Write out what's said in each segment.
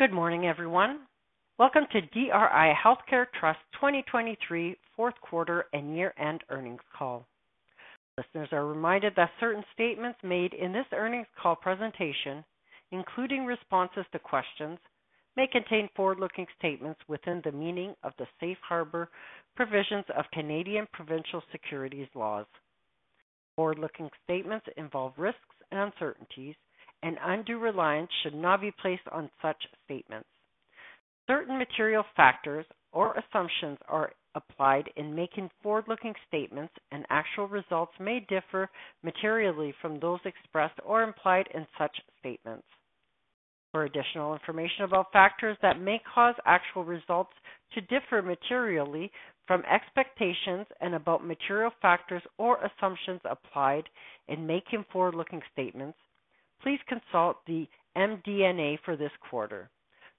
Good morning, everyone. Welcome to DRI Healthcare Trust 2023 fourth quarter and year-end earnings call. Listeners are reminded that certain statements made in this earnings call presentation, including responses to questions, may contain forward-looking statements within the meaning of the Safe Harbor provisions of Canadian provincial securities laws. Forward-looking statements involve risks and uncertainties, and undue reliance should not be placed on such statements. Certain material factors or assumptions are applied in making forward-looking statements, and actual results may differ materially from those expressed or implied in such statements. For additional information about factors that may cause actual results to differ materially from expectations and about material factors or assumptions applied in making forward-looking statements, please consult the MD&A for this quarter,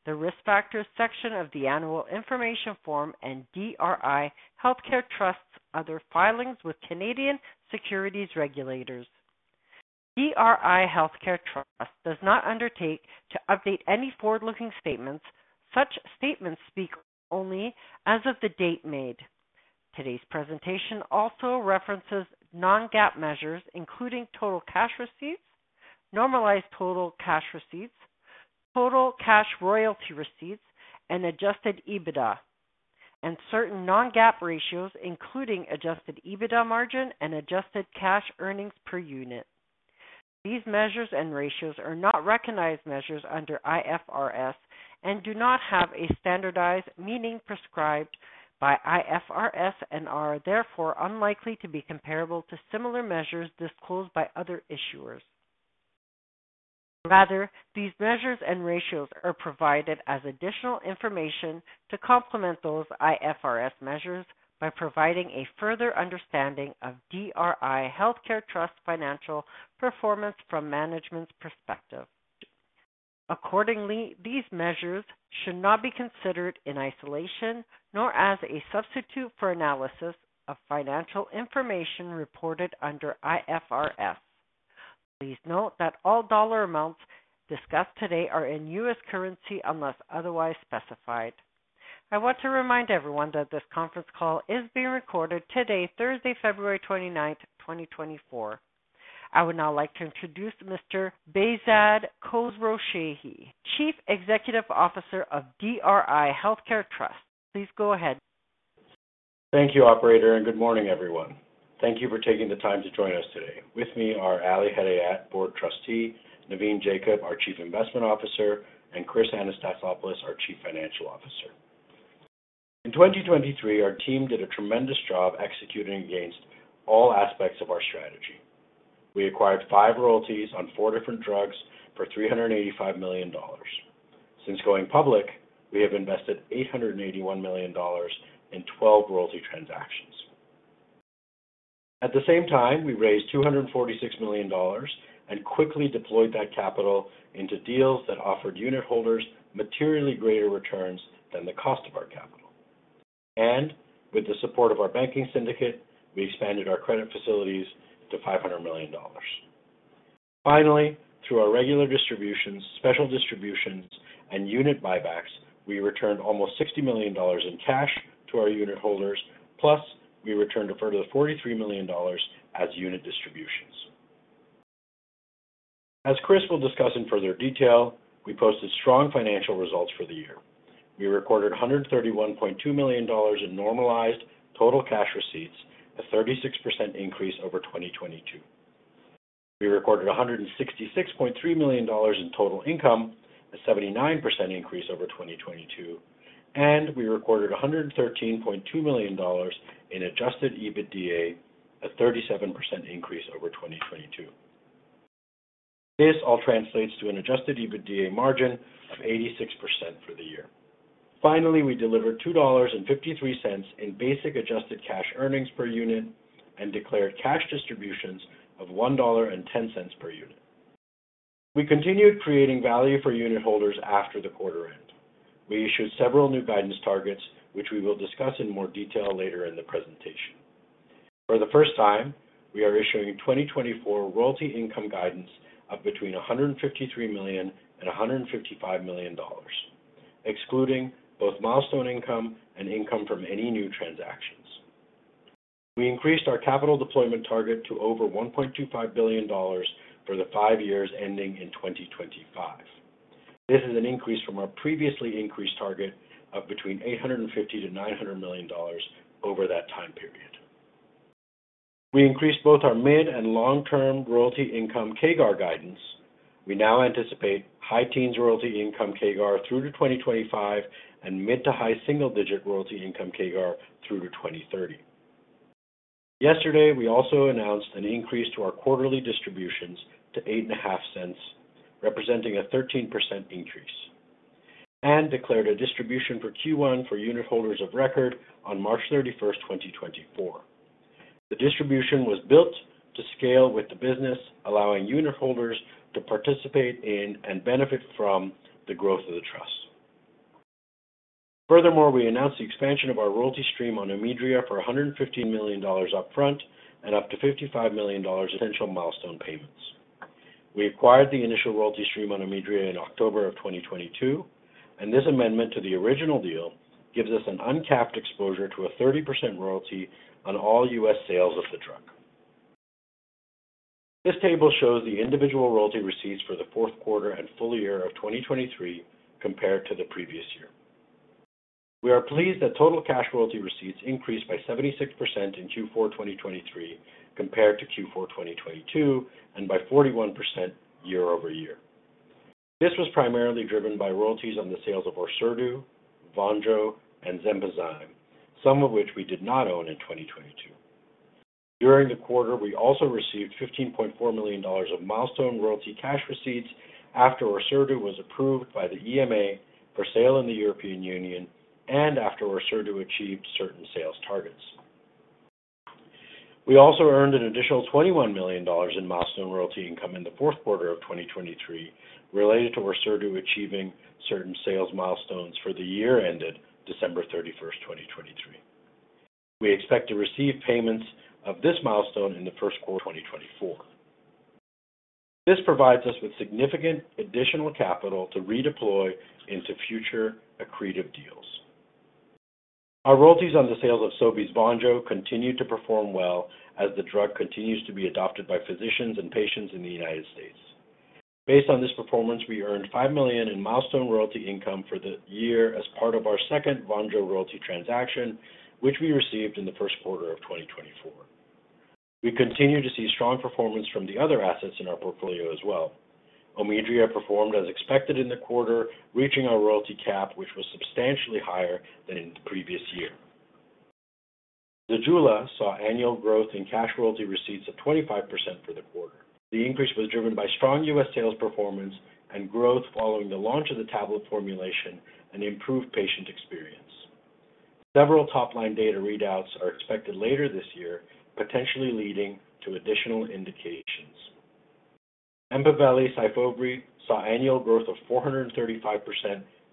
the Risk Factors section of the Annual Information Form, and DRI Healthcare Trust's other filings with Canadian securities regulators. DRI Healthcare Trust does not undertake to update any forward-looking statements. Such statements speak only as of the date made. Today's presentation also references non-GAAP measures, including total cash receipts, normalized total cash receipts, total cash royalty receipts, and adjusted EBITDA, and certain non-GAAP ratios, including adjusted EBITDA margin and adjusted cash earnings per unit. These measures and ratios are not recognized measures under IFRS and do not have a standardized meaning prescribed by IFRS and are therefore unlikely to be comparable to similar measures disclosed by other issuers. Rather, these measures and ratios are provided as additional information to complement those IFRS measures by providing a further understanding of DRI Healthcare Trust financial performance from management's perspective. Accordingly, these measures should not be considered in isolation nor as a substitute for analysis of financial information reported under IFRS. Please note that all dollar amounts discussed today are in U.S. currency unless otherwise specified. I want to remind everyone that this conference call is being recorded today, Thursday, February 29th, 2024. I would now like to introduce Mr. Behzad Khosrowshahi, Chief Executive Officer of DRI Healthcare Trust. Please go ahead. Thank you, operator, and good morning, everyone. Thank you for taking the time to join us today. With me are Ali Hedayat, Board Trustee, Navin Jacob, our Chief Investment Officer, and Chris Anastasopoulos, our Chief Financial Officer. In 2023, our team did a tremendous job executing against all aspects of our strategy. We acquired five royalties on four different drugs for $385 million. Since going public, we have invested $881 million in 12 royalty transactions. At the same time, we raised $246 million and quickly deployed that capital into deals that offered unitholders materially greater returns than the cost of our capital. With the support of our banking syndicate, we expanded our credit facilities to $500 million. Finally, through our regular distributions, special distributions, and unit buybacks, we returned almost $60 million in cash to our uniholders, plus we returned a further $43 million as unit distributions. As Chris will discuss in further detail, we posted strong financial results for the year. We recorded $131.2 million in normalized total cash receipts, a 36% increase over 2022. We recorded $166.3 million in total income, a 79% increase over 2022, and we recorded $113.2 million in adjusted EBITDA, a 37% increase over 2022. This all translates to an adjusted EBITDA margin of 86% for the year. Finally, we delivered $2.53 in basic adjusted cash earnings per unit and declared cash distributions of $1.10 per unit. We continued creating value for unitholders after the quarter end. We issued several new guidance targets, which we will discuss in more detail later in the presentation. For the first time, we are issuing 2024 royalty income guidance of between $153 million-$155 million, excluding both milestone income and income from any new transactions. We increased our capital deployment target to over $1.25 billion for the five years ending in 2025. This is an increase from our previously increased target of between $850 million-$900 million over that time period. We increased both our mid and long-term royalty income CAGR guidance. We now anticipate high teens royalty income CAGR through to 2025 and mid to high single-digit royalty income CAGR through to 2030. Yesterday, we also announced an increase to our quarterly distributions to $0.08, representing a 13% increase, and declared a distribution for Q1 for unitholders of record on March 31st, 2024. The distribution was built to scale with the business, allowing unitholders to participate in and benefit from the growth of the trust. Furthermore, we announced the expansion of our royalty stream on Omidria for $115 million upfront and up to $55 million in potential milestone payments. We acquired the initial royalty stream on Omidria in October of 2022, and this amendment to the original deal gives us an uncapped exposure to a 30% royalty on all U.S. sales of the drug. This table shows the individual royalty receipts for the fourth quarter and full year of 2023 compared to the previous year. We are pleased that total cash royalty receipts increased by 76% in Q4 2023 compared to Q4 2022 and by 41% year-over-year. This was primarily driven by royalties on the sales of Orserdu, Vonjo, and Xenpozyme, some of which we did not own in 2022. During the quarter, we also received $15.4 million of milestone royalty cash receipts after Orserdu was approved by the EMA for sale in the European Union and after Orserdu achieved certain sales targets. We also earned an additional $21 million in milestone royalty income in the fourth quarter of 2023 related to Orserdu achieving certain sales milestones for the year ended December 31st, 2023. We expect to receive payments of this milestone in the first quarter of 2024. This provides us with significant additional capital to redeploy into future accretive deals. Our royalties on the sales of Sobi's Vonjo continue to perform well as the drug continues to be adopted by physicians and patients in the United States. Based on this performance, we earned $5 million in milestone royalty income for the year as part of our second Vonjo royalty transaction, which we received in the first quarter of 2024. We continue to see strong performance from the other assets in our portfolio as well. Omidria performed as expected in the quarter, reaching our royalty cap, which was substantially higher than in the previous year. Zejula saw annual growth in cash royalty receipts of 25% for the quarter. The increase was driven by strong U.S. sales performance and growth following the launch of the tablet formulation and improved patient experience. Several top-line data readouts are expected later this year, potentially leading to additional indications. Empaveli saw annual growth of 435%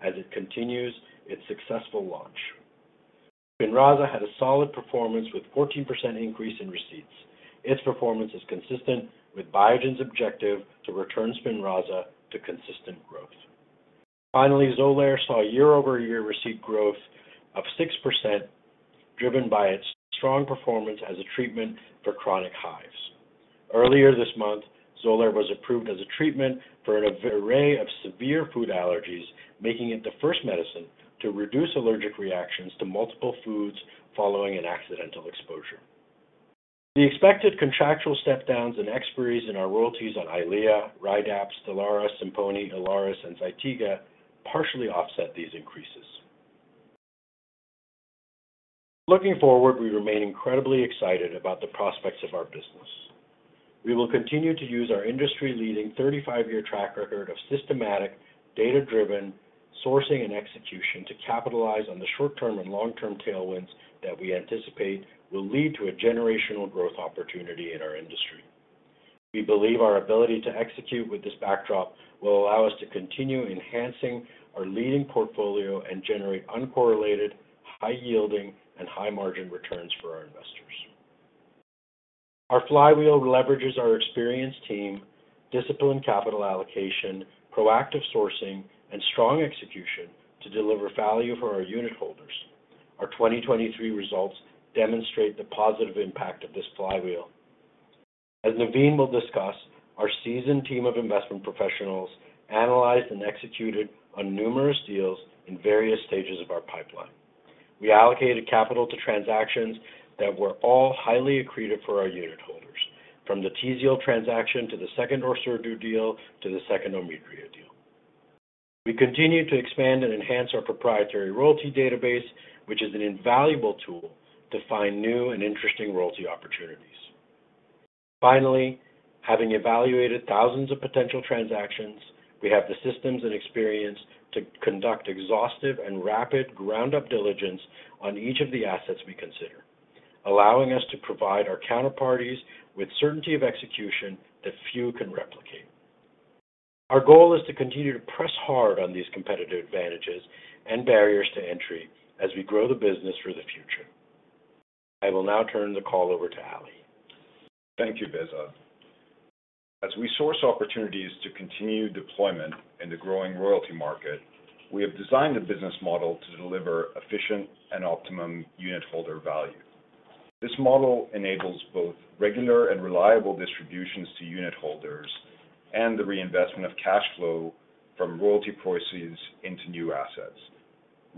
as it continues its successful launch. Spinraza had a solid performance with a 14% increase in receipts. Its performance is consistent with Biogen's objective to return Spinraza to consistent growth. Finally, Xolair saw year-over-year receipt growth of 6%, driven by its strong performance as a treatment for chronic hives. Earlier this month, Xolair was approved as a treatment for an array of severe food allergies, making it the first medicine to reduce allergic reactions to multiple foods following an accidental exposure. The expected contractual stepdowns and expiries in our royalties on Eylea, Rydapt, Stelara, Simponi, Eloctate, and Zytiga partially offset these increases. Looking forward, we remain incredibly excited about the prospects of our business. We will continue to use our industry-leading 35-year track record of systematic, data-driven sourcing and execution to capitalize on the short-term and long-term tailwinds that we anticipate will lead to a generational growth opportunity in our industry. We believe our ability to execute with this backdrop will allow us to continue enhancing our leading portfolio and generate uncorrelated, high-yielding, and high-margin returns for our investors. Our flywheel leverages our experienced team, disciplined capital allocation, proactive sourcing, and strong execution to deliver value for our unitholders. Our 2023 results demonstrate the positive impact of this flywheel. As Navin will discuss, our seasoned team of investment professionals analyzed and executed on numerous deals in various stages of our pipeline. We allocated capital to transactions that were all highly accretive for our unitholders, from the Tzield transaction to the second Orserdu deal to the second Omidria deal. We continue to expand and enhance our proprietary royalty database, which is an invaluable tool to find new and interesting royalty opportunities. Finally, having evaluated thousands of potential transactions, we have the systems and experience to conduct exhaustive and rapid ground-up diligence on each of the assets we consider, allowing us to provide our counterparties with certainty of execution that few can replicate. Our goal is to continue to press hard on these competitive advantages and barriers to entry as we grow the business for the future. I will now turn the call over to Ali. Thank you, Behzad. As we source opportunities to continue deployment in the growing royalty market, we have designed a business model to deliver efficient and optimum unitholder value. This model enables both regular and reliable distributions to unitholders and the reinvestment of cash flow from royalty prices into new assets.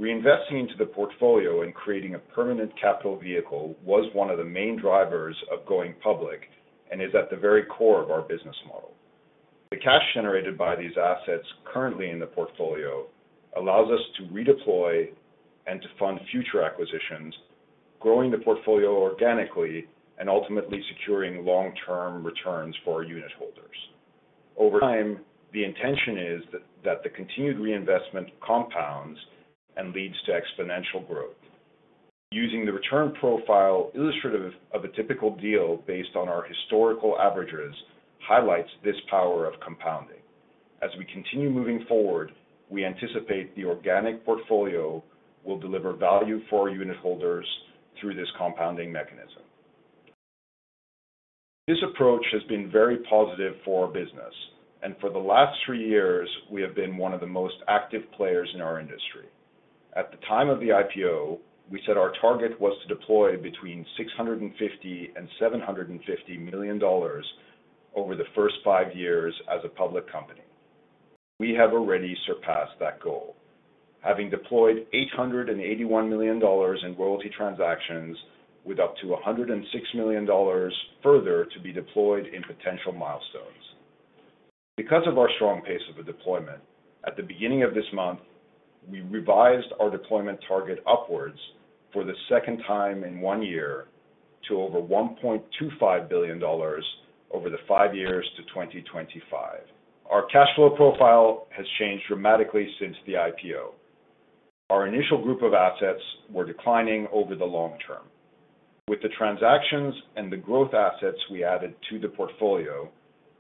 Reinvesting into the portfolio and creating a permanent capital vehicle was one of the main drivers of going public and is at the very core of our business model. The cash generated by these assets currently in the portfolio allows us to redeploy and to fund future acquisitions, growing the portfolio organically and ultimately securing long-term returns for our unitholders. Over time, the intention is that the continued reinvestment compounds and leads to exponential growth. Using the return profile illustrative of a typical deal based on our historical averages highlights this power of compounding. As we continue moving forward, we anticipate the organic portfolio will deliver value for our unitholders through this compounding mechanism. This approach has been very positive for our business, and for the last three years, we have been one of the most active players in our industry. At the time of the IPO, we said our target was to deploy between $650 million and $750 million over the first five years as a public company. We have already surpassed that goal, having deployed $881 million in royalty transactions with up to $106 million further to be deployed in potential milestones. Because of our strong pace of deployment, at the beginning of this month, we revised our deployment target upwards for the second time in one year to over $1.25 billion over the five years to 2025. Our cash flow profile has changed dramatically since the IPO. Our initial group of assets were declining over the long term. With the transactions and the growth assets we added to the portfolio,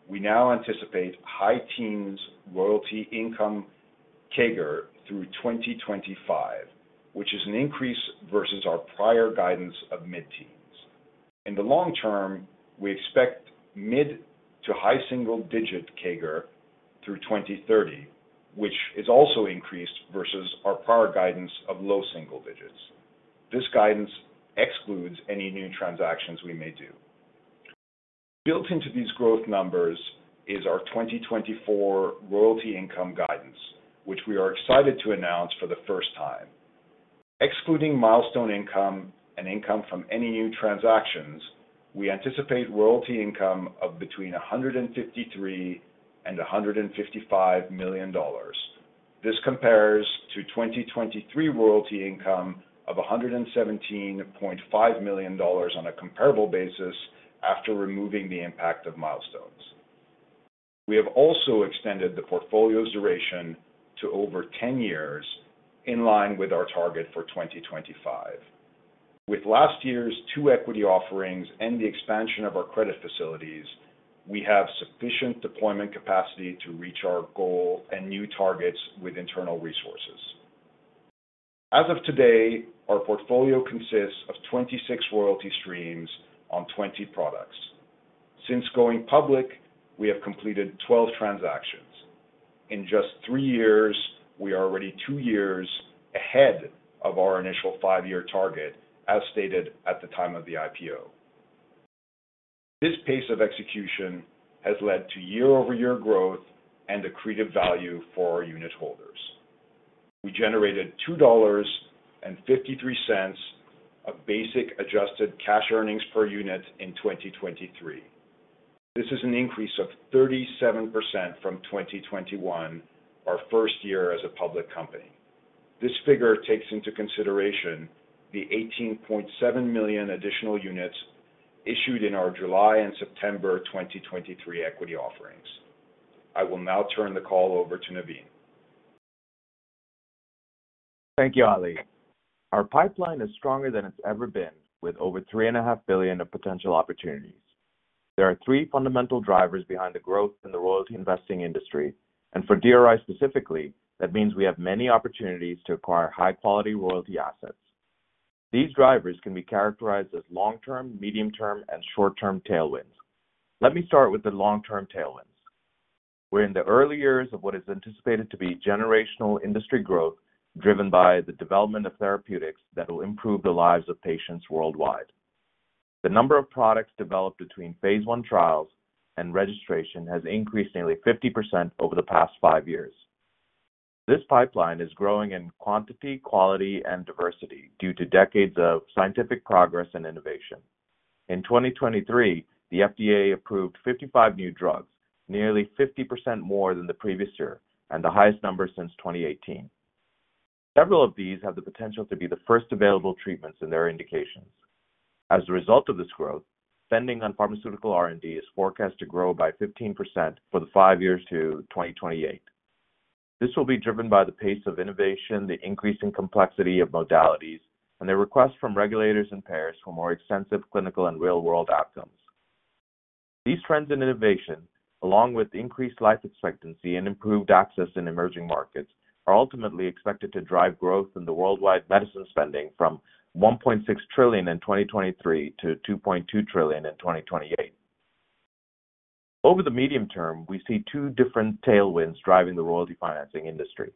we now anticipate high teens royalty income CAGR through 2025, which is an increase versus our prior guidance of mid-teens. In the long term, we expect mid to high single-digit CAGR through 2030, which is also increased versus our prior guidance of low single digits. This guidance excludes any new transactions we may do. Built into these growth numbers is our 2024 royalty income guidance, which we are excited to announce for the first time. Excluding milestone income and income from any new transactions, we anticipate royalty income of between $153 million and $155 million. This compares to 2023 royalty income of $117.5 million on a comparable basis after removing the impact of milestones. We have also extended the portfolio's duration to over 10 years in line with our target for 2025. With last year's two equity offerings and the expansion of our credit facilities, we have sufficient deployment capacity to reach our goal and new targets with internal resources. As of today, our portfolio consists of 26 royalty streams on 20 products. Since going public, we have completed 12 transactions. In just three years, we are already two years ahead of our initial five-year target as stated at the time of the IPO. This pace of execution has led to year-over-year growth and accretive value for our unitholders. We generated $2.53 of basic adjusted cash earnings per unit in 2023. This is an increase of 37% from 2021, our first year as a public company. This figure takes into consideration the 18.7 million additional units issued in our July and September 2023 equity offerings. I will now turn the call over to Navin. Thank you, Ali. Our pipeline is stronger than it's ever been, with over $3.5 billion of potential opportunities. There are three fundamental drivers behind the growth in the royalty investing industry, and for DRI specifically, that means we have many opportunities to acquire high-quality royalty assets. These drivers can be characterized as long-term, medium-term, and short-term tailwinds. Let me start with the long-term tailwinds. We're in the early years of what is anticipated to be generational industry growth driven by the development of therapeutics that will improve the lives of patients worldwide. The number of products developed between phase I trials and registration has increased nearly 50% over the past five years. This pipeline is growing in quantity, quality, and diversity due to decades of scientific progress and innovation. In 2023, the FDA approved 55 new drugs, nearly 50% more than the previous year and the highest number since 2018. Several of these have the potential to be the first available treatments in their indications. As a result of this growth, spending on pharmaceutical R&D is forecast to grow by 15% for the five years to 2028. This will be driven by the pace of innovation, the increasing complexity of modalities, and the request from regulators and payers for more extensive clinical and real-world outcomes. These trends in innovation, along with increased life expectancy and improved access in emerging markets, are ultimately expected to drive growth in the worldwide medicine spending from $1.6 trillion in 2023 to $2.2 trillion in 2028. Over the medium term, we see two different tailwinds driving the royalty financing industry.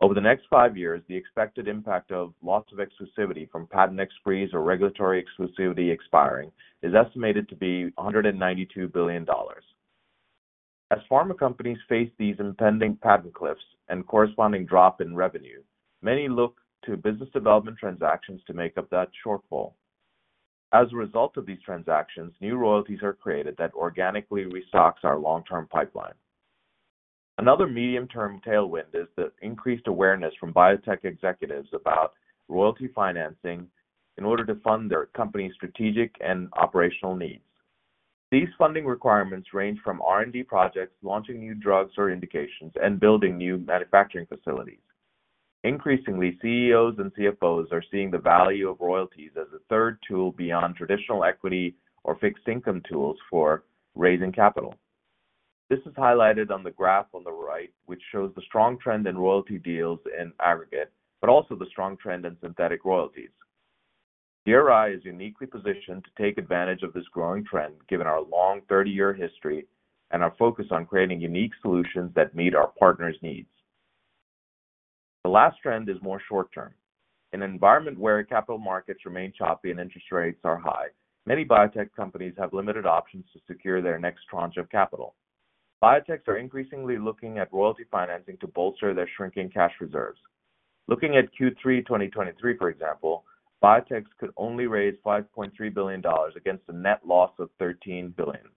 Over the next five years, the expected impact of loss of exclusivity from patent expiries or regulatory exclusivity expiring is estimated to be $192 billion. As pharma companies face these impending patent cliffs and corresponding drop in revenue, many look to business development transactions to make up that shortfall. As a result of these transactions, new royalties are created that organically restocks our long-term pipeline. Another medium-term tailwind is the increased awareness from biotech executives about royalty financing in order to fund their company's strategic and operational needs. These funding requirements range from R&D projects, launching new drugs or indications, and building new manufacturing facilities. Increasingly, CEOs and CFOs are seeing the value of royalties as a third tool beyond traditional equity or fixed income tools for raising capital. This is highlighted on the graph on the right, which shows the strong trend in royalty deals in aggregate, but also the strong trend in synthetic royalties. DRI is uniquely positioned to take advantage of this growing trend given our long 30-year history and our focus on creating unique solutions that meet our partners' needs. The last trend is more short-term. In an environment where capital markets remain choppy and interest rates are high, many biotech companies have limited options to secure their next tranche of capital. Biotechs are increasingly looking at royalty financing to bolster their shrinking cash reserves. Looking at Q3 2023, for example, biotechs could only raise $5.3 billion against a net loss of $13 billion.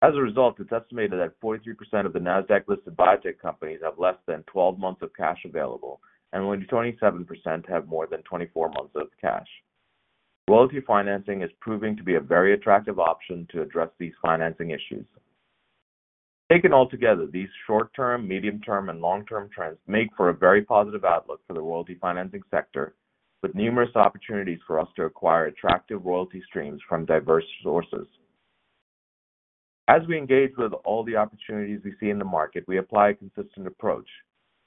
As a result, it's estimated that 43% of the NASDAQ-listed biotech companies have less than 12 months of cash available, and only 27% have more than 24 months of cash. Royalty financing is proving to be a very attractive option to address these financing issues. Taken altogether, these short-term, medium-term, and long-term trends make for a very positive outlook for the royalty financing sector, with numerous opportunities for us to acquire attractive royalty streams from diverse sources. As we engage with all the opportunities we see in the market, we apply a consistent approach.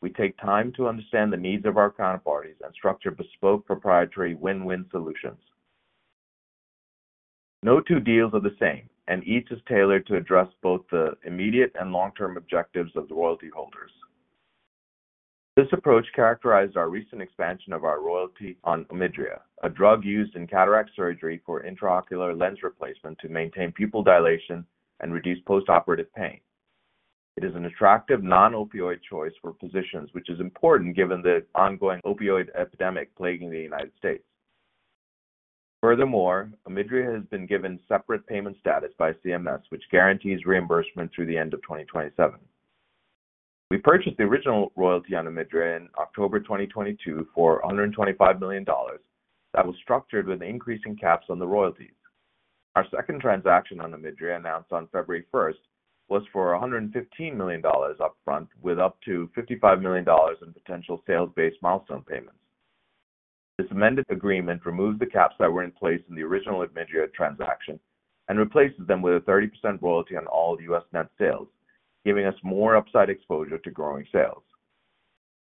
We take time to understand the needs of our counterparties and structure bespoke proprietary win-win solutions. No two deals are the same, and each is tailored to address both the immediate and long-term objectives of the royalty holders. This approach characterized our recent expansion of our royalty on Omidria, a drug used in cataract surgery for intraocular lens replacement to maintain pupil dilation and reduce postoperative pain. It is an attractive non-opioid choice for physicians, which is important given the ongoing opioid epidemic plaguing the United States. Furthermore, Omidria has been given separate payment status by CMS, which guarantees reimbursement through the end of 2027. We purchased the original royalty on Omidria in October 2022 for $125 million that was structured with increasing caps on the royalties. Our second transaction on Omidria announced on February 1st was for $115 million upfront with up to $55 million in potential sales-based milestone payments. This amended agreement removes the caps that were in place in the original Omidria transaction and replaces them with a 30% royalty on all U.S. net sales, giving us more upside exposure to growing sales.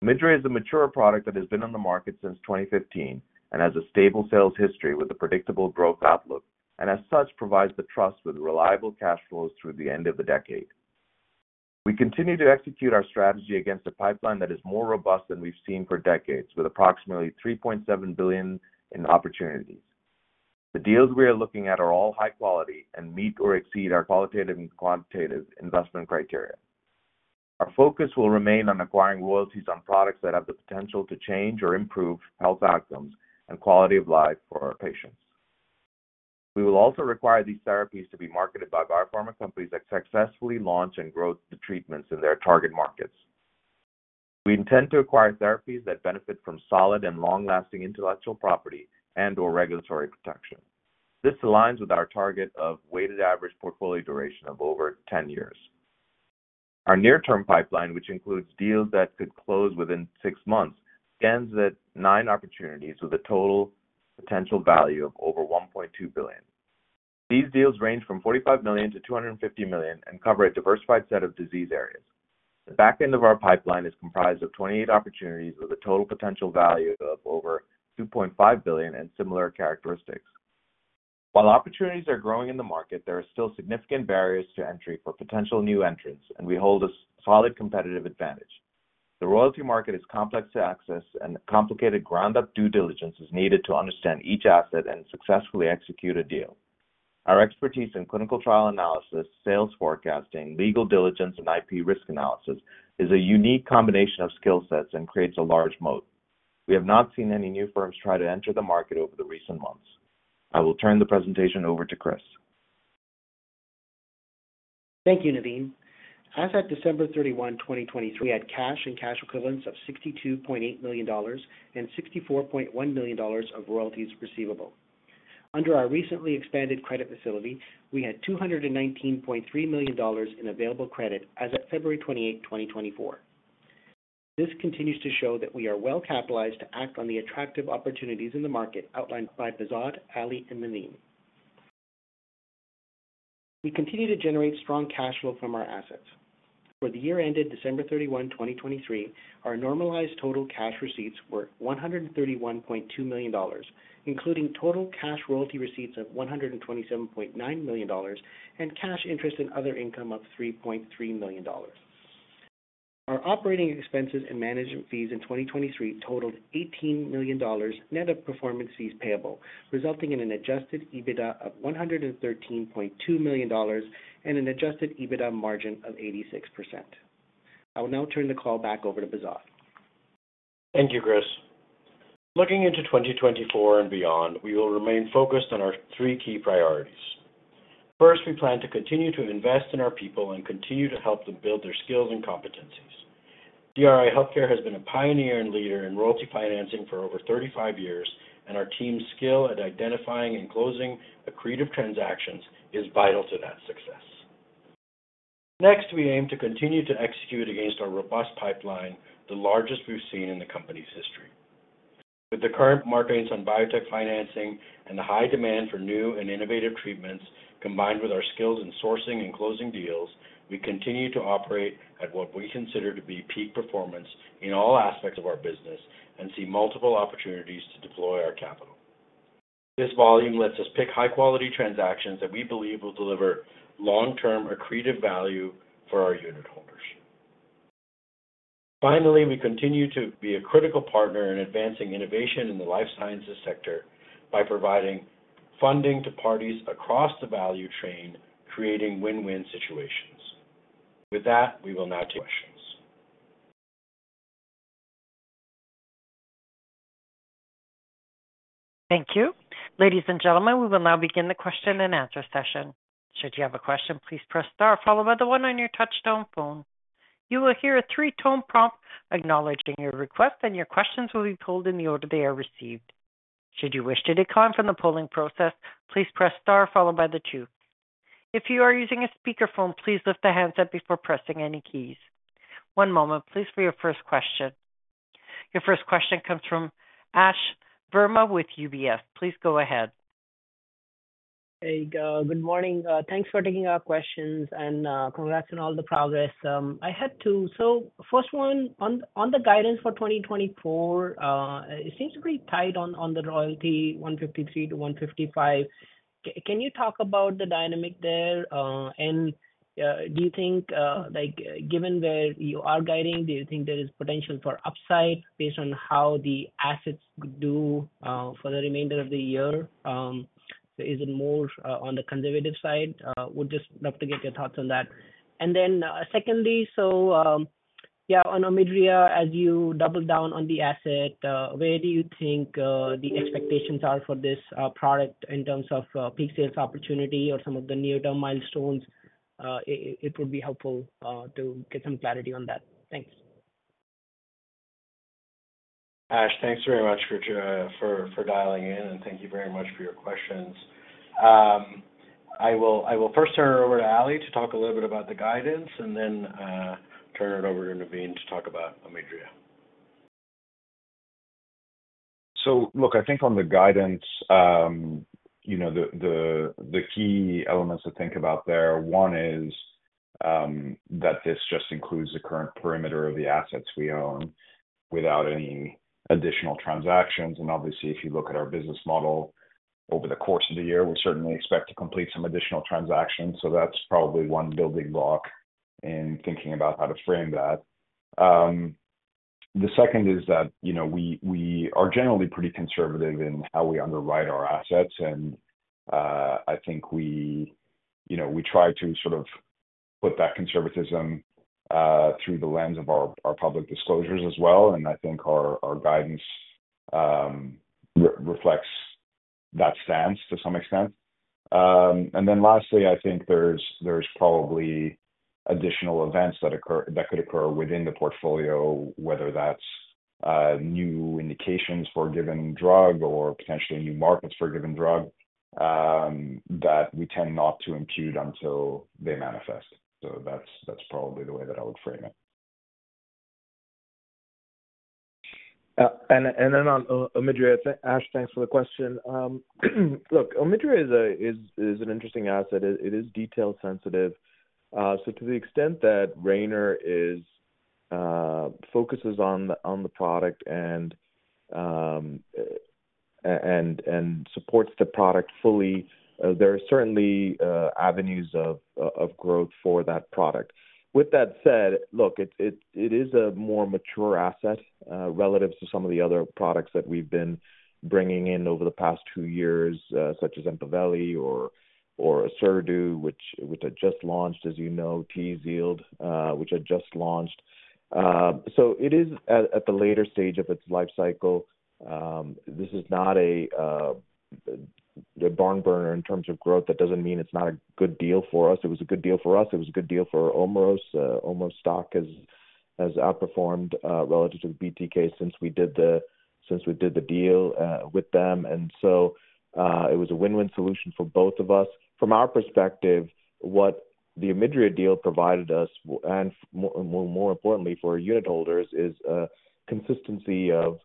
Omidria is a mature product that has been on the market since 2015 and has a stable sales history with a predictable growth outlook, and as such provides the trust with reliable cash flows through the end of the decade. We continue to execute our strategy against a pipeline that is more robust than we've seen for decades, with approximately $3.7 billion in opportunities. The deals we are looking at are all high quality and meet or exceed our qualitative and quantitative investment criteria. Our focus will remain on acquiring royalties on products that have the potential to change or improve health outcomes and quality of life for our patients. We will also require these therapies to be marketed by biopharma companies that successfully launch and grow the treatments in their target markets. We intend to acquire therapies that benefit from solid and long-lasting intellectual property and/or regulatory protection. This aligns with our target of weighted average portfolio duration of over 10 years. Our near-term pipeline, which includes deals that could close within six months, scans at nine opportunities with a total potential value of over $1.2 billion. These deals range from $45 million-$250 million and cover a diversified set of disease areas. The back end of our pipeline is comprised of 28 opportunities with a total potential value of over $2.5 billion and similar characteristics. While opportunities are growing in the market, there are still significant barriers to entry for potential new entrants, and we hold a solid competitive advantage. The royalty market is complex to access, and complicated ground-up due diligence is needed to understand each asset and successfully execute a deal. Our expertise in clinical trial analysis, sales forecasting, legal diligence, and IP risk analysis is a unique combination of skill sets and creates a large moat. We have not seen any new firms try to enter the market over the recent months. I will turn the presentation over to Chris. Thank you, Navin. As at December 31, 2023, we had cash and cash equivalents of $62.8 million and $64.1 million of royalties receivable. Under our recently expanded credit facility, we had $219.3 million in available credit as of February 28, 2024. This continues to show that we are well capitalized to act on the attractive opportunities in the market outlined by Behzad, Ali, and Navin. We continue to generate strong cash flow from our assets. For the year-ended December 31, 2023, our normalized total cash receipts were $131.2 million, including total cash royalty receipts of $127.9 million and cash interest and other income of $3.3 million. Our operating expenses and management fees in 2023 totaled $18 million net of performance fees payable, resulting in an Adjusted EBITDA of $113.2 million and an Adjusted EBITDA margin of 86%. I will now turn the call back over to Behzad. Thank you, Chris. Looking into 2024 and beyond, we will remain focused on our three key priorities. First, we plan to continue to invest in our people and continue to help them build their skills and competencies. DRI Healthcare has been a pioneer and leader in royalty financing for over 35 years, and our team's skill at identifying and closing accretive transactions is vital to that success. Next, we aim to continue to execute against our robust pipeline, the largest we've seen in the company's history. With the current markets on biotech financing and the high demand for new and innovative treatments combined with our skills in sourcing and closing deals, we continue to operate at what we consider to be peak performance in all aspects of our business and see multiple opportunities to deploy our capital. This volume lets us pick high-quality transactions that we believe will deliver long-term accretive value for our unitholders. Finally, we continue to be a critical partner in advancing innovation in the life sciences sector by providing funding to parties across the value chain, creating win-win situations. With that, we will now take questions. Thank you. Ladies and gentlemen, we will now begin the question and answer session. Should you have a question, please press star followed by the one on your touch-tone phone. You will hear a three-tone prompt acknowledging your request, and your questions will be polled in the order they are received. Should you wish to decline from the polling process, please press star followed by the two. If you are using a speakerphone, please lift the handset before pressing any keys. One moment, please, for your first question. Your first question comes from Ash Verma with UBS. Please go ahead. Hey, good morning. Thanks for taking our questions, and congrats on all the progress. I had to so first one, on the guidance for 2024, it seems to be tight on the royalty, $153 million-$155 million. Can you talk about the dynamic there, and do you think, given where you are guiding, do you think there is potential for upside based on how the assets do for the remainder of the year? So is it more on the conservative side? Would just love to get your thoughts on that. And then secondly, so yeah, on Omidria, as you double down on the asset, where do you think the expectations are for this product in terms of peak sales opportunity or some of the near-term milestones? It would be helpful to get some clarity on that. Thanks. Ash, thanks very much for dialing in, and thank you very much for your questions. I will first turn it over to Ali to talk a little bit about the guidance, and then turn it over to Navin to talk about Omidria. So look, I think on the guidance, the key elements to think about there, one is that this just includes the current parameters of the assets we own without any additional transactions. And obviously, if you look at our business model over the course of the year, we certainly expect to complete some additional transactions. So that's probably one building block in thinking about how to frame that. The second is that we are generally pretty conservative in how we underwrite our assets, and I think we try to sort of put that conservatism through the lens of our public disclosures as well. And I think our guidance reflects that stance to some extent. And then lastly, I think there's probably additional events that could occur within the portfolio, whether that's new indications for a given drug or potentially new markets for a given drug, that we tend not to impute until they manifest. So that's probably the way that I would frame it. Then on Omidria, Ash, thanks for the question. Look, Omidria is an interesting asset. It is detail-sensitive. So to the extent that Rayner focuses on the product and supports the product fully, there are certainly avenues of growth for that product. With that said, look, it is a more mature asset relative to some of the other products that we've been bringing in over the past two years, such as Empaveli or Orserdu, which had just launched, as you know, Tzield, which had just launched. So it is at the later stage of its life cycle. This is not a barn burner in terms of growth. That doesn't mean it's not a good deal for us. It was a good deal for us. It was a good deal for Omeros. Omeros stock has outperformed relative to the BTK since we did the deal with them. So it was a win-win solution for both of us. From our perspective, what the Omidria deal provided us, and more importantly for unitholders, is consistency of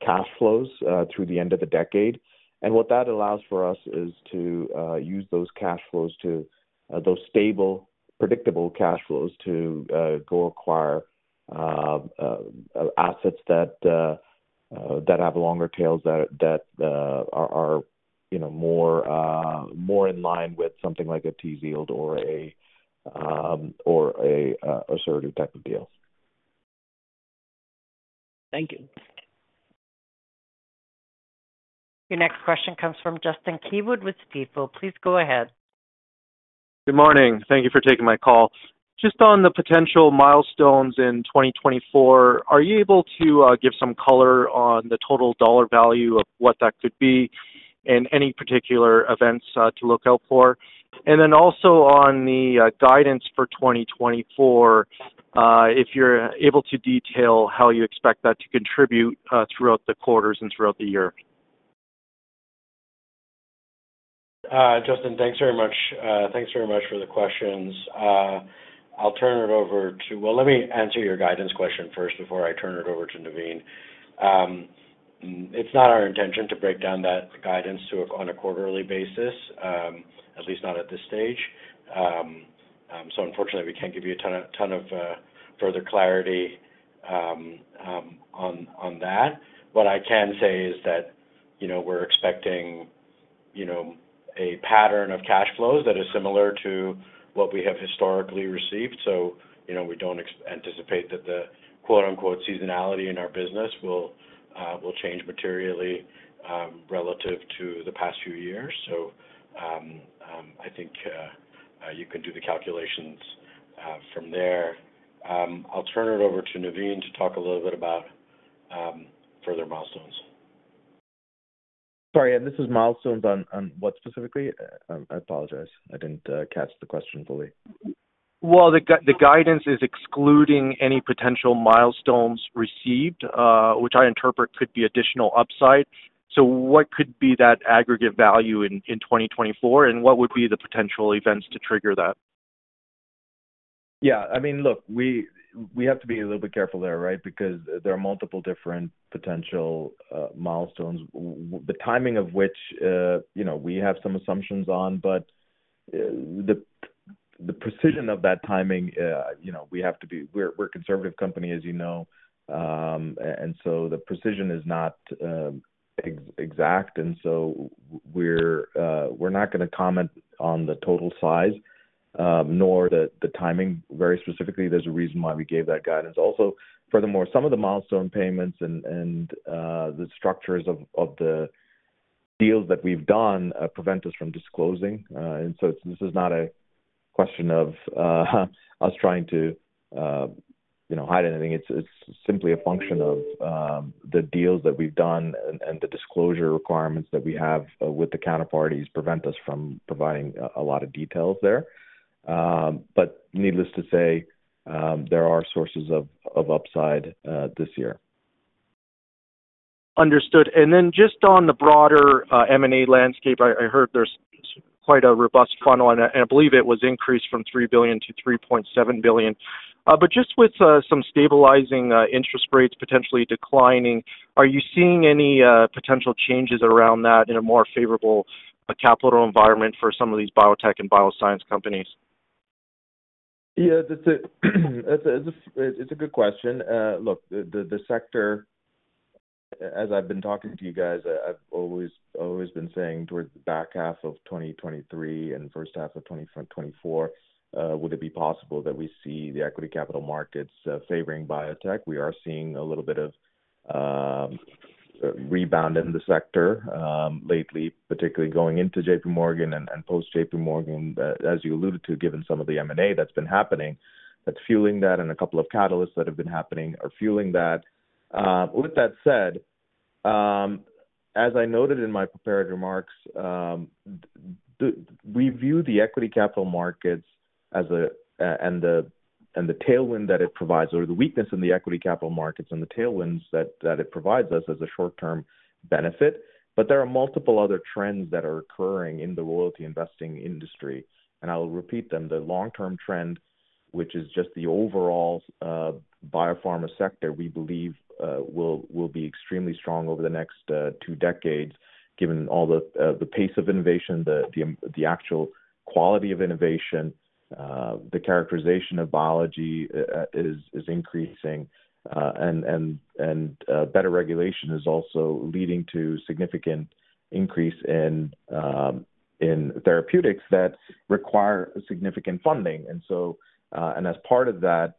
cash flows through the end of the decade. What that allows for us is to use those cash flows, those stable, predictable cash flows, to go acquire assets that have longer tails, that are more in line with something like a Tzield or an Orserdu type of deal. Thank you. Your next question comes from Justin Keywood with Stifel. Please go ahead. Good morning. Thank you for taking my call. Just on the potential milestones in 2024, are you able to give some color on the total dollar value of what that could be and any particular events to look out for? And then also on the guidance for 2024, if you're able to detail how you expect that to contribute throughout the quarters and throughout the year. Justin, thanks very much. Thanks very much for the questions. I'll turn it over to well, let me answer your guidance question first before I turn it over to Navin. It's not our intention to break down that guidance on a quarterly basis, at least not at this stage. So unfortunately, we can't give you a ton of further clarity on that. What I can say is that we're expecting a pattern of cash flows that is similar to what we have historically received. So we don't anticipate that the "seasonality" in our business will change materially relative to the past few years. So I think you can do the calculations from there. I'll turn it over to Navin to talk a little bit about further milestones. Sorry. And this is milestones on what specifically? I apologize. I didn't catch the question fully. Well, the guidance is excluding any potential milestones received, which I interpret could be additional upside. So what could be that aggregate value in 2024, and what would be the potential events to trigger that? Yeah. I mean, look, we have to be a little bit careful there, right, because there are multiple different potential milestones, the timing of which we have some assumptions on. But the precision of that timing, we have to be. We're a conservative company, as you know, and so the precision is not exact. And so we're not going to comment on the total size nor the timing. Very specifically, there's a reason why we gave that guidance. Also, furthermore, some of the milestone payments and the structures of the deals that we've done prevent us from disclosing. And so this is not a question of us trying to hide anything. It's simply a function of the deals that we've done, and the disclosure requirements that we have with the counterparties prevent us from providing a lot of details there. Needless to say, there are sources of upside this year. Understood. And then just on the broader M&A landscape, I heard there's quite a robust funnel, and I believe it was increased from $3 billion to $3.7 billion. But just with some stabilizing interest rates, potentially declining, are you seeing any potential changes around that in a more favorable capital environment for some of these biotech and bioscience companies? Yeah, it's a good question. Look, the sector, as I've been talking to you guys, I've always been saying towards the back half of 2023 and first half of 2024, would it be possible that we see the equity capital markets favoring biotech? We are seeing a little bit of rebound in the sector lately, particularly going into JPMorgan and post-JPMorgan. As you alluded to, given some of the M&A that's been happening, that's fueling that, and a couple of catalysts that have been happening are fueling that. With that said, as I noted in my prepared remarks, we view the equity capital markets and the tailwind that it provides or the weakness in the equity capital markets and the tailwinds that it provides us as a short-term benefit. But there are multiple other trends that are occurring in the royalty investing industry. And I'll repeat them. The long-term trend, which is just the overall biopharma sector, we believe will be extremely strong over the next two decades, given all the pace of innovation, the actual quality of innovation, the characterization of biology is increasing, and better regulation is also leading to significant increase in therapeutics that require significant funding. As part of that,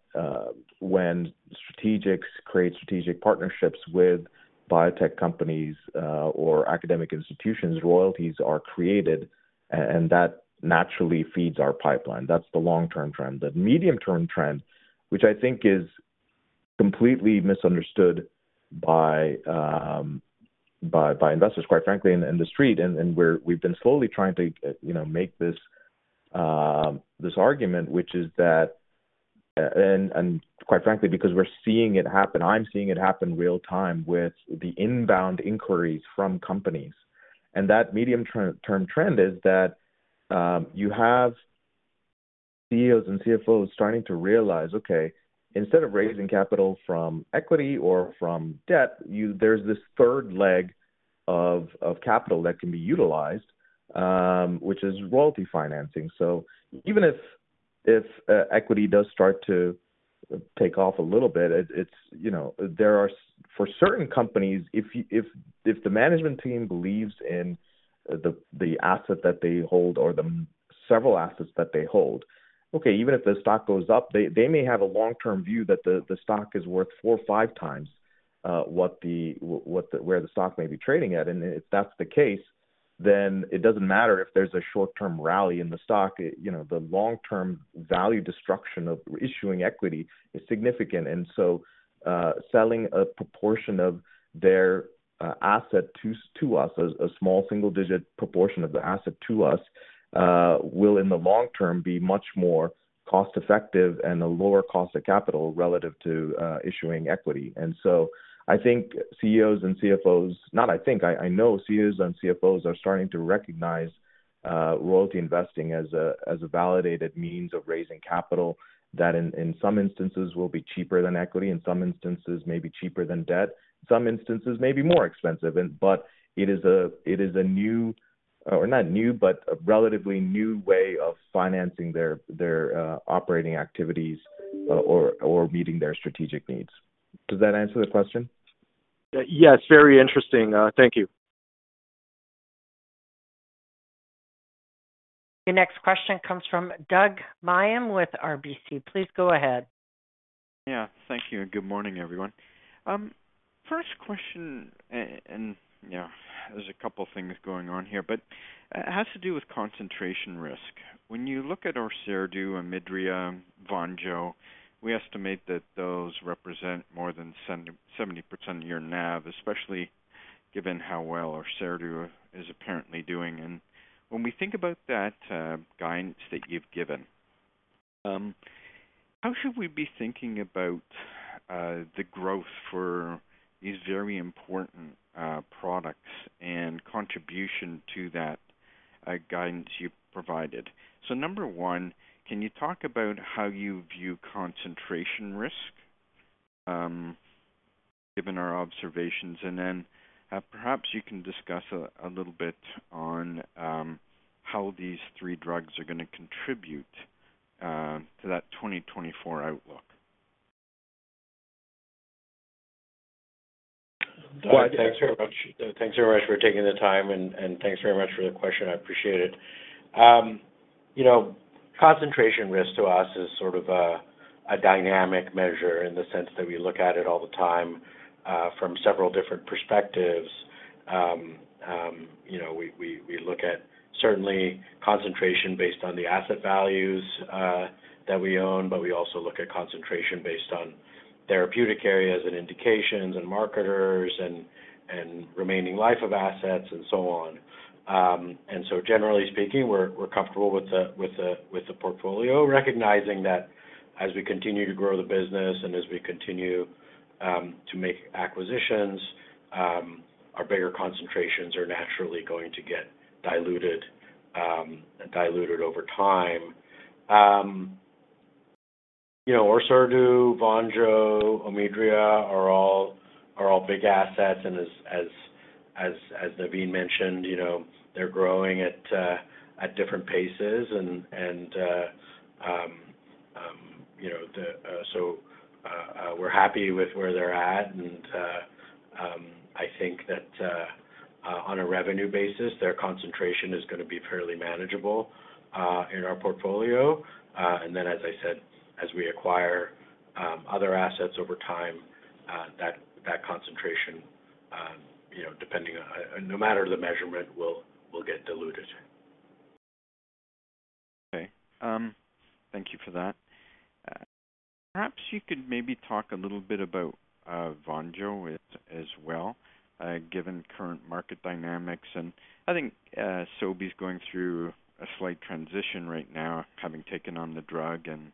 when strategics create strategic partnerships with biotech companies or academic institutions, royalties are created, and that naturally feeds our pipeline. That's the long-term trend. The medium-term trend, which I think is completely misunderstood by investors, quite frankly, in the street, and where we've been slowly trying to make this argument, which is that and quite frankly, because we're seeing it happen, I'm seeing it happen real-time with the inbound inquiries from companies. That medium-term trend is that you have CEOs and CFOs starting to realize, "Okay, instead of raising capital from equity or from debt, there's this third leg of capital that can be utilized, which is royalty financing." So even if equity does start to take off a little bit, there are for certain companies, if the management team believes in the asset that they hold or the several assets that they hold, okay, even if the stock goes up, they may have a long-term view that the stock is worth four or five times where the stock may be trading at. And if that's the case, then it doesn't matter if there's a short-term rally in the stock. The long-term value destruction of issuing equity is significant. And so selling a proportion of their asset to us, a small single-digit proportion of the asset to us, will in the long term be much more cost-effective and a lower cost of capital relative to issuing equity. And so I think CEOs and CFOs, not I think. I know CEOs and CFOs are starting to recognize royalty investing as a validated means of raising capital that in some instances will be cheaper than equity, in some instances maybe cheaper than debt, in some instances maybe more expensive. But it is a new or not new, but a relatively new way of financing their operating activities or meeting their strategic needs. Does that answer the question? Yes, very interesting. Thank you. Your next question comes from Doug Miehm with RBC. Please go ahead. Yeah, thank you. Good morning, everyone. First question, and there's a couple of things going on here, but it has to do with concentration risk. When you look at Orserdu, Omidria, Vonjo, we estimate that those represent more than 70% of your NAV, especially given how well Orserdu is apparently doing. And when we think about that guidance that you've given, how should we be thinking about the growth for these very important products and contribution to that guidance you've provided? So number one, can you talk about how you view concentration risk, given our observations? And then perhaps you can discuss a little bit on how these three drugs are going to contribute to that 2024 outlook. Doug, thanks very much. Thanks very much for taking the time, and thanks very much for the question. I appreciate it. Concentration risk to us is sort of a dynamic measure in the sense that we look at it all the time from several different perspectives. We look at certainly concentration based on the asset values that we own, but we also look at concentration based on therapeutic areas and indications and marketers and remaining life of assets and so on. And so generally speaking, we're comfortable with the portfolio, recognizing that as we continue to grow the business and as we continue to make acquisitions, our bigger concentrations are naturally going to get diluted over time. Our Orserdu, Vonjo, Omidria are all big assets. And as Navin mentioned, they're growing at different paces. And so we're happy with where they're at. I think that on a revenue basis, their concentration is going to be fairly manageable in our portfolio. Then, as I said, as we acquire other assets over time, that concentration, no matter the measurement, will get diluted. Okay. Thank you for that. Perhaps you could maybe talk a little bit about Vonjo as well, given current market dynamics. And I think Sobi's going through a slight transition right now, having taken on the drug. And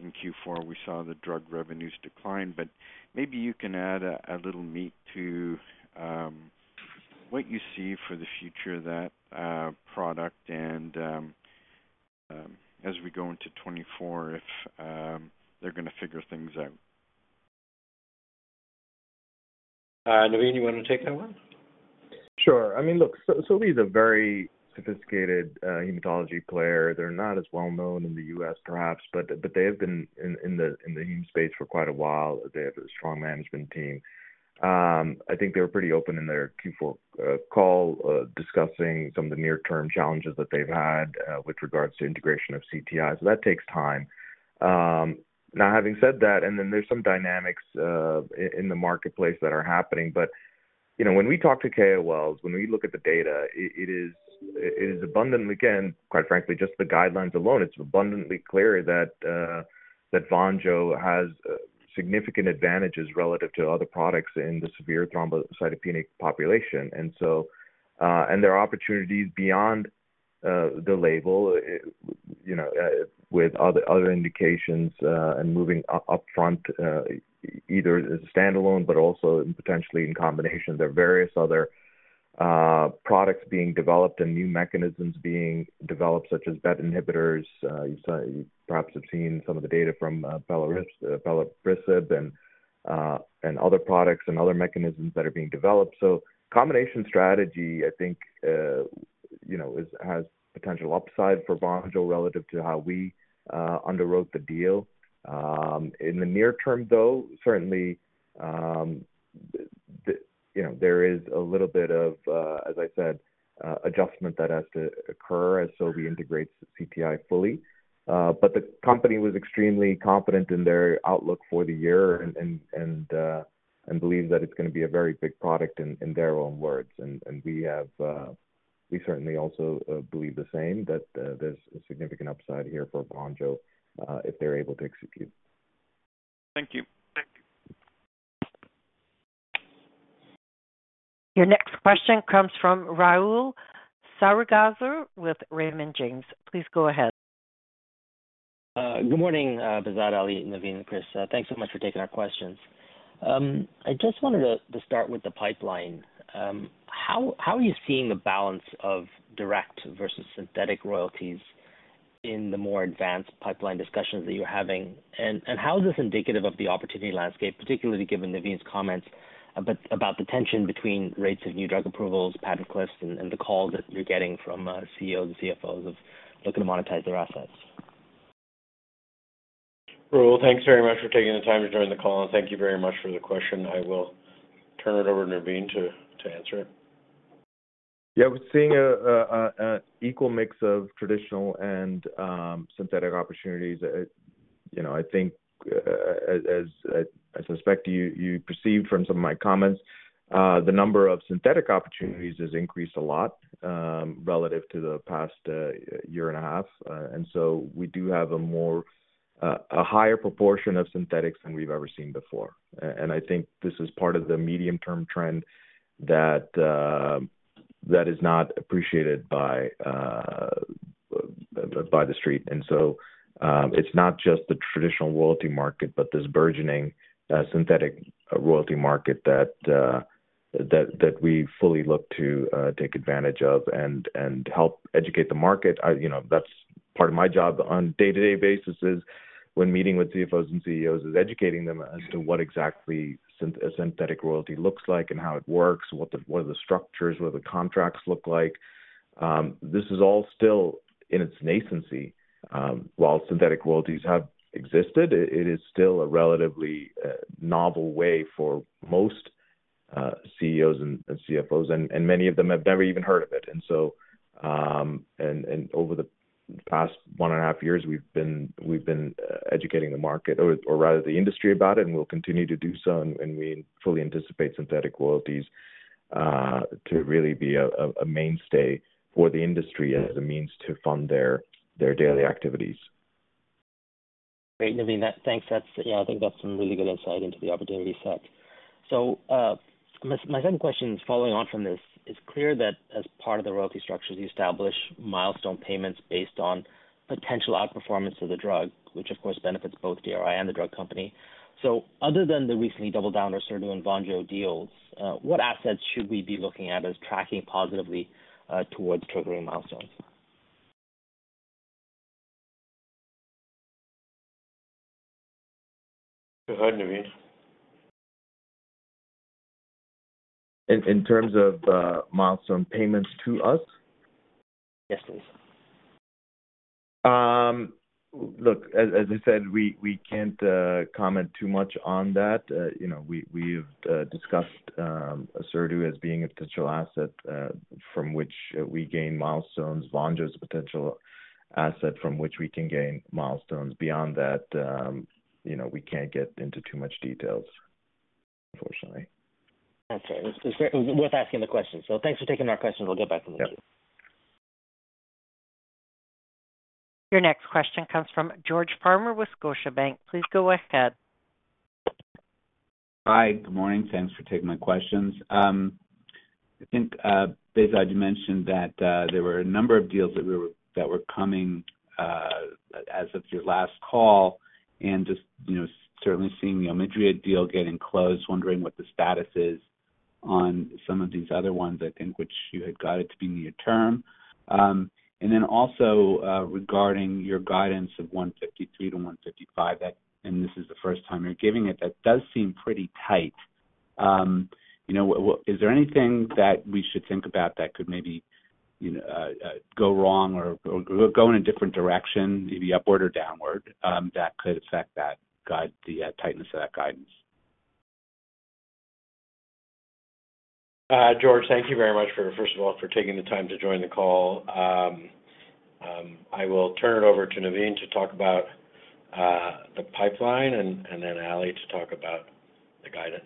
in Q4, we saw the drug revenues decline. But maybe you can add a little meat to what you see for the future of that product and as we go into 2024 if they're going to figure things out. Navin, you want to take that one? Sure. I mean, look, Sobi's a very sophisticated hematology player. They're not as well-known in the U.S., perhaps, but they have been in the heme space for quite a while. They have a strong management team. I think they were pretty open in their Q4 call discussing some of the near-term challenges that they've had with regards to integration of CTI. So that takes time. Now, having said that, and then there's some dynamics in the marketplace that are happening. But when we talk to KOLs, when we look at the data, it is abundantly again, quite frankly, just the guidelines alone, it's abundantly clear that Vonjo has significant advantages relative to other products in the severe thrombocytopenic population. And there are opportunities beyond the label with other indications and moving upfront either as a standalone, but also potentially in combination. There are various other products being developed and new mechanisms being developed, such as BET inhibitors. You perhaps have seen some of the data from pelabresib and other products and other mechanisms that are being developed. So combination strategy, I think, has potential upside for Vonjo relative to how we underwrote the deal. In the near term, though, certainly, there is a little bit of, as I said, adjustment that has to occur as Sobi integrates CTI fully. But the company was extremely confident in their outlook for the year and believes that it's going to be a very big product in their own words. And we certainly also believe the same, that there's a significant upside here for Vonjo if they're able to execute. Thank you. Your next question comes from Rahul Sarugaser with Raymond James. Please go ahead. Good morning, Behzad, Ali, Navin, and Chris. Thanks so much for taking our questions. I just wanted to start with the pipeline. How are you seeing the balance of direct versus synthetic royalties in the more advanced pipeline discussions that you're having? And how is this indicative of the opportunity landscape, particularly given Navin's comments about the tension between rates of new drug approvals, patent cliffs, and the calls that you're getting from CEOs and CFOs of looking to monetize their assets? Raul, thanks very much for taking the time to join the call. Thank you very much for the question. I will turn it over to Navin to answer it. Yeah, we're seeing an equal mix of traditional and synthetic opportunities. I think, as I suspect you perceived from some of my comments, the number of synthetic opportunities has increased a lot relative to the past year and a half. And so we do have a higher proportion of synthetics than we've ever seen before. And I think this is part of the medium-term trend that is not appreciated by the street. And so it's not just the traditional royalty market, but this burgeoning synthetic royalty market that we fully look to take advantage of and help educate the market. That's part of my job on a day-to-day basis is when meeting with CFOs and CEOs is educating them as to what exactly a synthetic royalty looks like and how it works, what are the structures, what do the contracts look like. This is all still in its nascency. While synthetic royalties have existed, it is still a relatively novel way for most CEOs and CFOs. Many of them have never even heard of it. So over the past 1.5 years, we've been educating the market, or rather the industry, about it. We'll continue to do so. We fully anticipate synthetic royalties to really be a mainstay for the industry as a means to fund their daily activities. Great. Navin, thanks. Yeah, I think that's some really good insight into the opportunity set. So my second question is following on from this. It's clear that as part of the royalty structures, you establish milestone payments based on potential outperformance of the drug, which, of course, benefits both DRI and the drug company. So other than the recently doubled-down on Orserdu and Vonjo deals, what assets should we be looking at as tracking positively towards triggering milestones? Go ahead, Navin. In terms of milestone payments to us? Yes, please. Look, as I said, we can't comment too much on that. We've discussed Orserdu as being a potential asset from which we gain milestones. Vonjo is a potential asset from which we can gain milestones. Beyond that, we can't get into too much details, unfortunately. Okay. It was worth asking the question. So thanks for taking our questions. We'll get back to them. Your next question comes from George Doumet with Scotiabank. Please go ahead. Hi. Good morning. Thanks for taking my questions. I think, Behzad, you mentioned that there were a number of deals that were coming as of your last call and just certainly seeing the Omidria deal getting closed, wondering what the status is on some of these other ones, I think, which you had got it to be near term. And then also regarding your guidance of $153 million-$155 million, and this is the first time you're giving it, that does seem pretty tight. Is there anything that we should think about that could maybe go wrong or go in a different direction, maybe upward or downward, that could affect the tightness of that guidance? George, thank you very much, first of all, for taking the time to join the call. I will turn it over to Navin to talk about the pipeline and then Ali to talk about the guidance.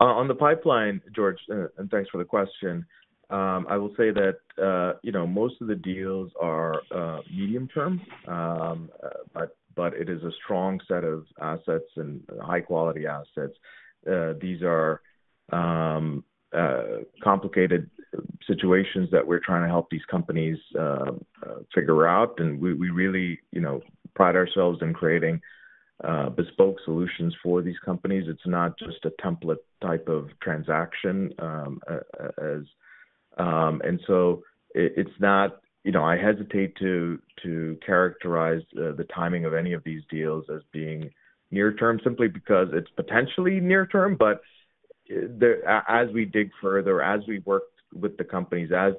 On the pipeline, George, and thanks for the question. I will say that most of the deals are medium-term, but it is a strong set of assets and high-quality assets. These are complicated situations that we're trying to help these companies figure out. We really pride ourselves in creating bespoke solutions for these companies. It's not just a template type of transaction. And so, it's not. I hesitate to characterize the timing of any of these deals as being near-term simply because it's potentially near-term. But as we dig further, as we work with the companies, as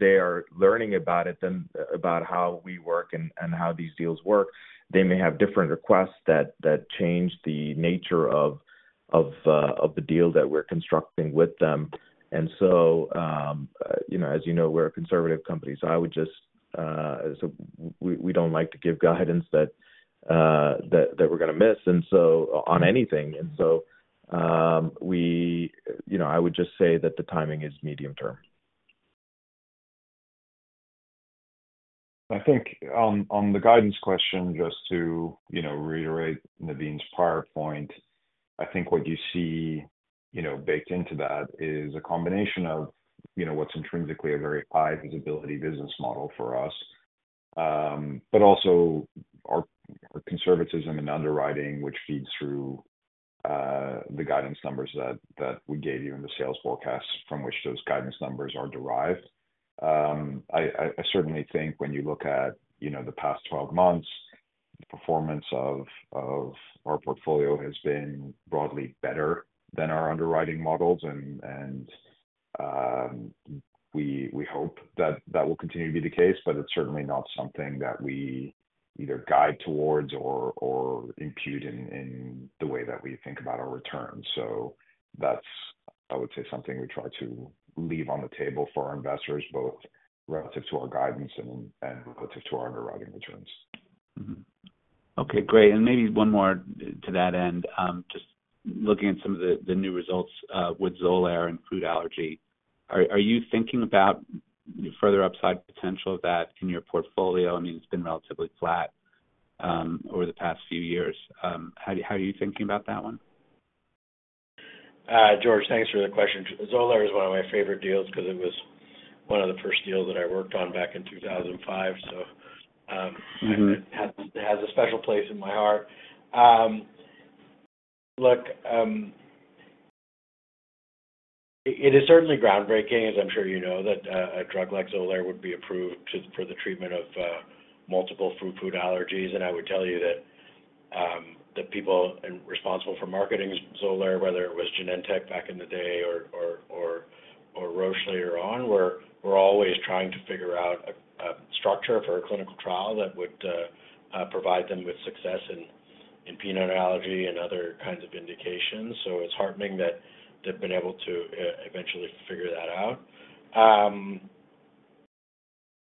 they are learning about it and about how we work and how these deals work, they may have different requests that change the nature of the deal that we're constructing with them. And so, as you know, we're a conservative company. So, I would just so we don't like to give guidance that we're going to miss on anything. And so, I would just say that the timing is medium-term. I think on the guidance question, just to reiterate Navin's prior point, I think what you see baked into that is a combination of what's intrinsically a very high-visibility business model for us, but also our conservatism and underwriting, which feeds through the guidance numbers that we gave you in the sales forecast from which those guidance numbers are derived. I certainly think when you look at the past 12 months, the performance of our portfolio has been broadly better than our underwriting models. And we hope that that will continue to be the case. But it's certainly not something that we either guide towards or impute in the way that we think about our returns. So that's, I would say, something we try to leave on the table for our investors, both relative to our guidance and relative to our underwriting returns. Okay. Great. And maybe one more to that end, just looking at some of the new results with Xolair and food allergy, are you thinking about further upside potential of that in your portfolio? I mean, it's been relatively flat over the past few years. How are you thinking about that one? George, thanks for the question. Xolair is one of my favorite deals because it was one of the first deals that I worked on back in 2005. So it has a special place in my heart. Look, it is certainly groundbreaking, as I'm sure you know, that a drug like Xolair would be approved for the treatment of multiple food allergies. And I would tell you that the people responsible for marketing Xolair, whether it was Genentech back in the day or Roche later on, were always trying to figure out a structure for a clinical trial that would provide them with success in peanut allergy and other kinds of indications. So it's heartening that they've been able to eventually figure that out.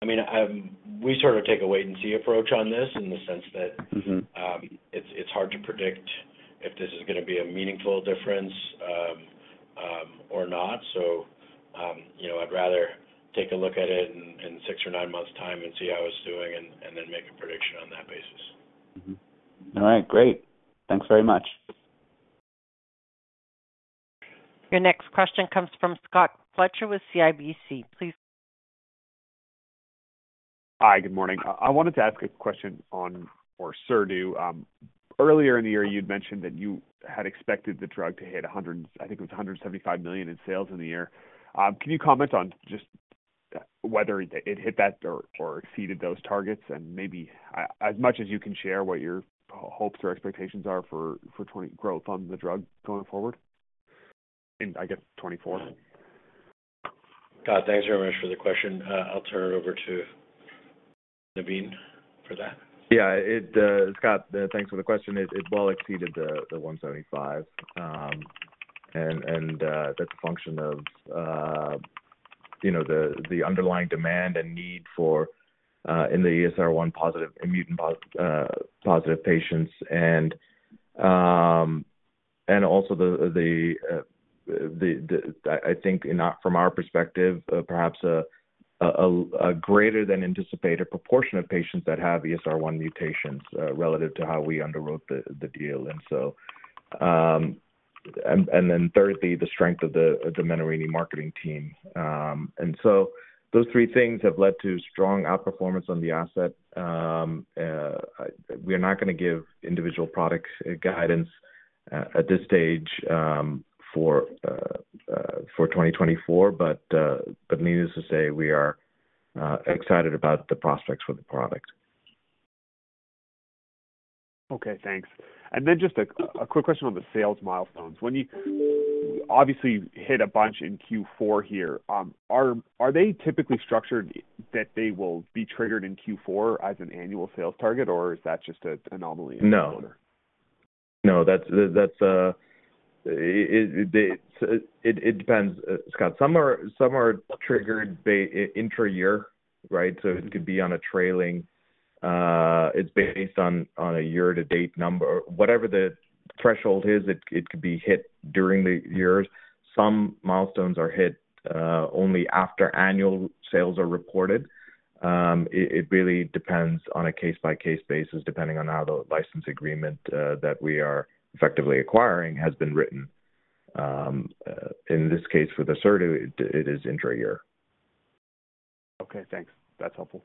I mean, we sort of take a wait-and-see approach on this in the sense that it's hard to predict if this is going to be a meaningful difference or not. So I'd rather take a look at it in 6 or 9 months' time and see how it's doing and then make a prediction on that basis. All right. Great. Thanks very much. Your next question comes from Scott Fletcher with CIBC. Please. Hi. Good morning. I wanted to ask a question on Orserdu. Earlier in the year, you'd mentioned that you had expected the drug to hit $100 million and I think it was $175 million in sales in the year. Can you comment on just whether it hit that or exceeded those targets and maybe as much as you can share what your hopes or expectations are for growth on the drug going forward, I guess, 2024? Scott, thanks very much for the question. I'll turn it over to Navin for that. Yeah. Scott, thanks for the question. It well exceeded the $175 million. And that's a function of the underlying demand and need in the ESR1-positive HR-positive patients and also the, I think, from our perspective, perhaps a greater than anticipated proportion of patients that have ESR1 mutations relative to how we underwrote the deal. And then thirdly, the strength of the Menarini marketing team. And so those three things have led to strong outperformance on the asset. We are not going to give individual product guidance at this stage for 2024. But needless to say, we are excited about the prospects for the product. Okay. Thanks. And then just a quick question on the sales milestones. Obviously, you hit a bunch in Q4 here. Are they typically structured that they will be triggered in Q4 as an annual sales target, or is that just an anomaly in the order? No. No. It depends, Scott. Some are triggered intra-year, right? So it could be on a trailing. It's based on a year-to-date number. Whatever the threshold is, it could be hit during the years. Some milestones are hit only after annual sales are reported. It really depends on a case-by-case basis, depending on how the license agreement that we are effectively acquiring has been written. In this case, for the Orserdu, it is intra-year. Okay. Thanks. That's helpful.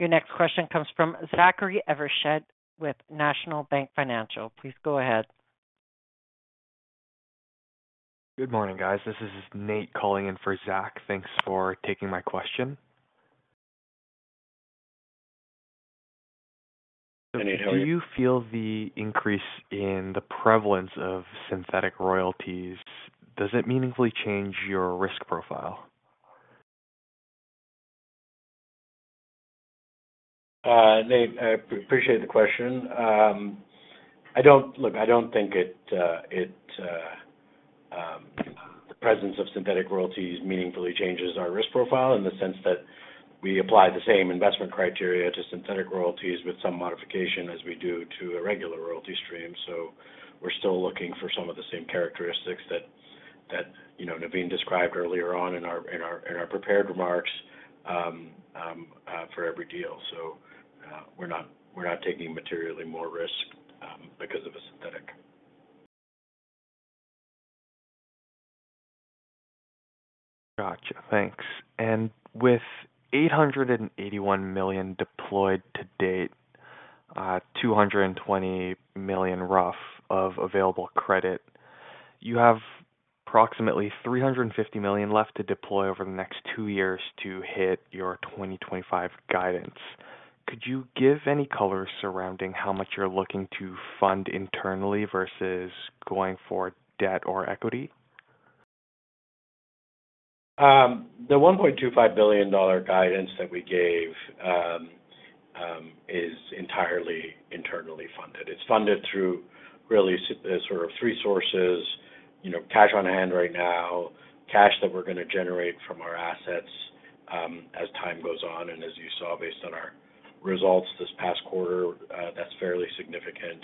Your next question comes from Zachary Evershed with National Bank Financial. Please go ahead. Good morning, guys. This is Nate calling in for Zach. Thanks for taking my question. Hey, Nate. How are you? Do you feel the increase in the prevalence of synthetic royalties does it meaningfully change your risk profile? Nate, I appreciate the question. Look, I don't think the presence of synthetic royalties meaningfully changes our risk profile in the sense that we apply the same investment criteria to synthetic royalties with some modification as we do to a regular royalty stream. So we're still looking for some of the same characteristics that Navin described earlier on in our prepared remarks for every deal. So we're not taking materially more risk because of a synthetic. Gotcha. Thanks. With $881 million deployed to date, $220 million worth of available credit, you have approximately $350 million left to deploy over the next two years to hit your 2025 guidance. Could you give any colors surrounding how much you're looking to fund internally versus going for debt or equity? The $1.25 billion guidance that we gave is entirely internally funded. It's funded through really sort of three sources: cash on hand right now, cash that we're going to generate from our assets as time goes on. As you saw, based on our results this past quarter, that's fairly significant,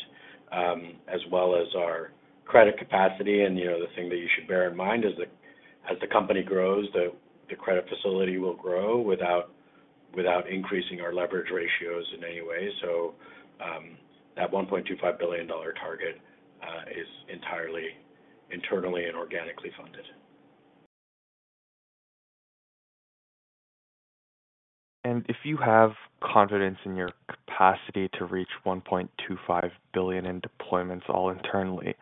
as well as our credit capacity. The thing that you should bear in mind is that as the company grows, the credit facility will grow without increasing our leverage ratios in any way. So that $1.25 billion target is entirely internally and organically funded. If you have confidence in your capacity to reach $1.25 billion in deployments all internally,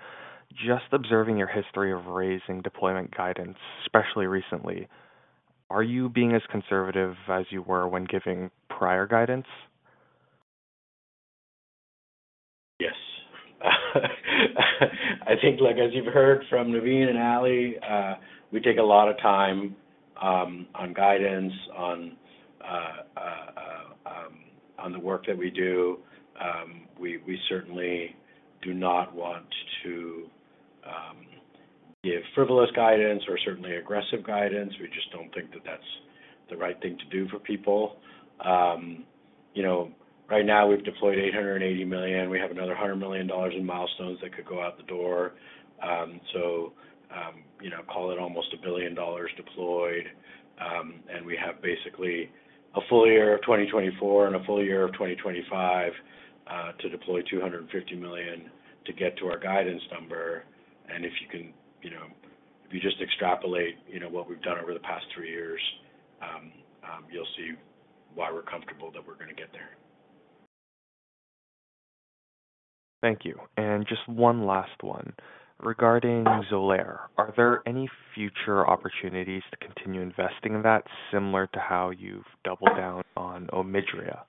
just observing your history of raising deployment guidance, especially recently, are you being as conservative as you were when giving prior guidance? Yes. I think, as you've heard from Navin and Ali, we take a lot of time on guidance, on the work that we do. We certainly do not want to give frivolous guidance or certainly aggressive guidance. We just don't think that that's the right thing to do for people. Right now, we've deployed $880 million. We have another $100 million in milestones that could go out the door. So call it almost $1 billion deployed. And we have basically a full year of 2024 and a full year of 2025 to deploy $250 million to get to our guidance number. And if you can if you just extrapolate what we've done over the past three years, you'll see why we're comfortable that we're going to get there. Thank you. Just one last one. Regarding Xolair, are there any future opportunities to continue investing in that similar to how you've doubled down on Omidria?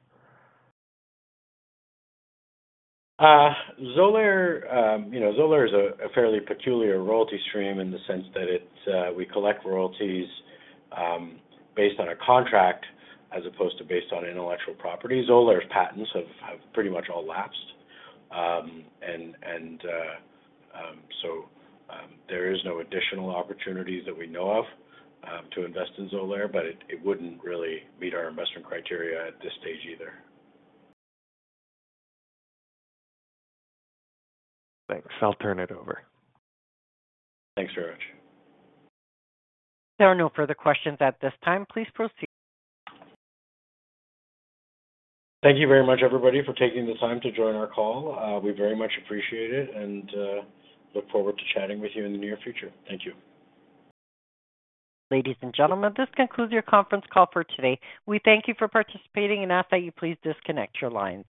Xolair is a fairly peculiar royalty stream in the sense that we collect royalties based on a contract as opposed to based on intellectual property. Xolair's patents have pretty much all lapsed. And so there is no additional opportunities that we know of to invest in Xolair, but it wouldn't really meet our investment criteria at this stage either. Thanks. I'll turn it over. Thanks very much. There are no further questions at this time. Please proceed. Thank you very much, everybody, for taking the time to join our call. We very much appreciate it and look forward to chatting with you in the near future. Thank you. Ladies and gentlemen, this concludes your conference call for today. We thank you for participating and ask that you please disconnect your lines.